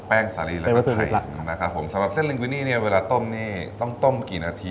สาลีแล้วก็พริกนะครับผมสำหรับเส้นลิงกุนี่เนี่ยเวลาต้มนี่ต้องต้มกี่นาที